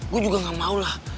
gue juga gak mau lah